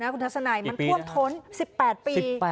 คุณทัศนัยมันท่วมท้น๑๘ปี